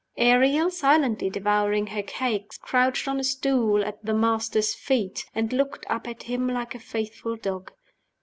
Ariel, silently devouring her cakes, crouched on a stool at "the Master's" feet, and looked up at him like a faithful dog.